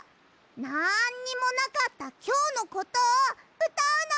なんにもなかったきょうのことをうたうの！